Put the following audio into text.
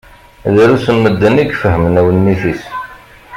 Drus n medden i ifehmen awennit-is.